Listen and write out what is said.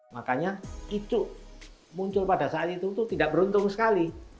makanya icuk muncul pada saat itu tidak beruntung sekali